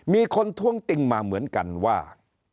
มีคนท้วงติงมาเหมือนกันว่า